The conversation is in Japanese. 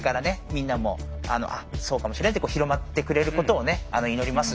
みんなもあっそうかもしれないって広まってくれることを祈ります